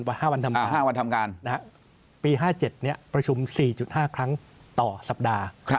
สัปดาห์หนึ่งเอา๕วันทำการนะครับปี๕๗เนี่ยประชุม๔๕ครั้งต่อสัปดาห์